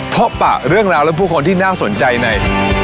ปะเรื่องราวและผู้คนที่น่าสนใจใน